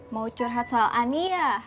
mau curhat soal ani ya